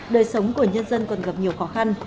đời sống của nhân dân còn gặp nhiều khó khăn